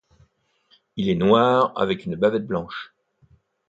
Il est noir avec une bavette blanche.